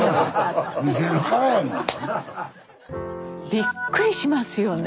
びっくりしますよね。